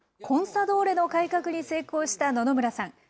コンサドーレの改革に成功した野々村さん。